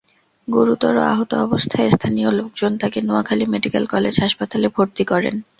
গুরুতর আহত অবস্থায় স্থানীয় লোকজন তাঁকে নোয়াখালী মেডিকেল কলেজ হাসপাতালে ভর্তি করেন।